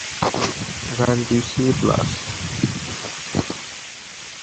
Where did you see it last?